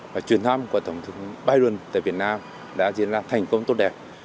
và chuyến thăm của tổng thống biden tại việt nam đã diễn ra thành công tốt đẹp